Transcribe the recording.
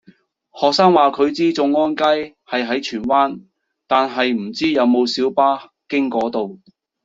學生話佢知眾安街係喺荃灣，但係唔知有冇小巴經嗰度